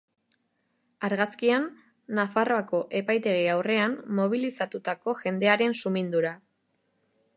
Argazkian, Nafarroako epaitegi aurrean mobilizatutako jendearen sumindura.